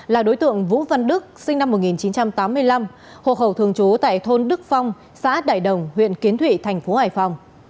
là đối tượng vũ văn đức sinh năm một nghìn chín trăm tám mươi năm hộ khẩu thường trú tại thôn đức phong xã đại đồng huyện kiến thụy thành phố hải phòng